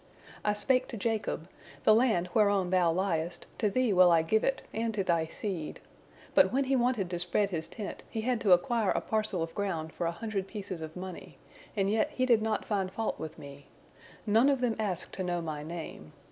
I spake to Jacob, 'The land whereon thou liest, to thee will I give it, and to thy seed,' but when he wanted to spread his tent, he had to acquire a parcel of ground for an hundred pieces of money; and yet he did not find fault with Me. None of them asked to know My Name.